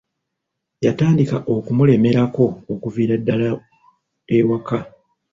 Yatandika okumulemerako okuviira ddala ewaka.